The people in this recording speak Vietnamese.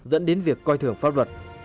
dẫn đến việc coi thường pháp luật